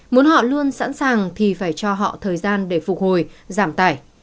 muốn họ luôn sẵn sàng thì phải cho họ thời gian để phục hồi giảm tải